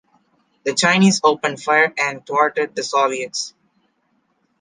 The Chinese opened fire and thwarted the Soviets.